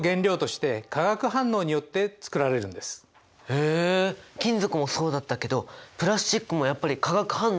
へえ金属もそうだったけどプラスチックもやっぱり化学反応が関係してくるんですね。